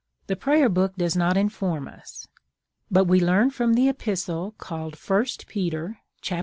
The Prayer Book does not inform us. But we learn from the Epistle called 1 Peter, chap.